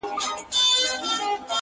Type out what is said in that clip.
پر دې گناه خو ربه راته ثواب راکه